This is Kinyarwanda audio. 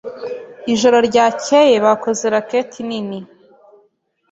Ijoro ryakeye bakoze racket nini.